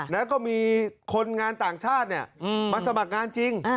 แล้วก็มีคนงานต่างชาติมาสมัครงานจริง